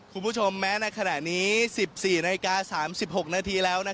คุณผู้ชมแม้ในขณะนี้๑๔นศ๓๔นแล้ว